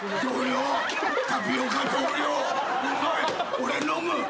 俺飲む。